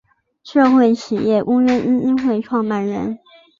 社会企业公约基金会创办人。